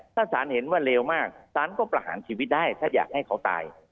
ถ้าสารเห็นว่าเลวมากสารก็ประหารชีวิตได้ถ้าอยากให้เขาตาย